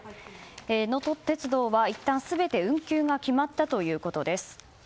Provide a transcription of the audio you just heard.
のと鉄道はいったん、全て運休が決まったということです。